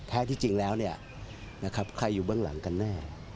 แท้ที่จริงแล้วใครอยู่เบื้องหลังกันแน่